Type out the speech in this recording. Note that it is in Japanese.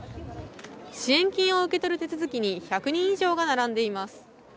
支援金を受け取る手続きに１００人以上が並んでいます。